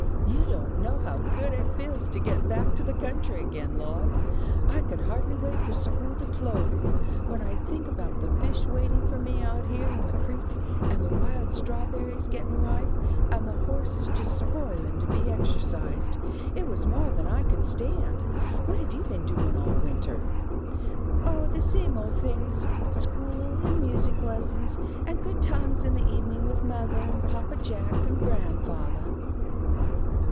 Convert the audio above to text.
"You don't know how good it feels to get back to the country again, Lloyd. I could hardly wait for school to close, when I'd think about the fish waiting for me out here in the creek, and the wild strawberries getting ripe, and the horses just spoiling to be exercised. It was more than I could stand. What have you been doing all winter?" "Oh, the same old things: school and music lessons, and good times in the evenin' with mothah and papa Jack and grandfathah."